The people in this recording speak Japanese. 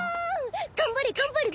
頑張れ頑張れ！